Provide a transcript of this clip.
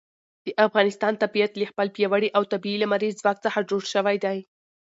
د افغانستان طبیعت له خپل پیاوړي او طبیعي لمریز ځواک څخه جوړ شوی دی.